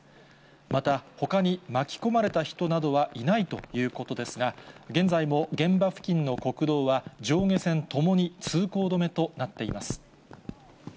またほかに巻き込まれた人などはいないということですが、現在も、現場付近の国道は上下線ともに通行止めとなっています。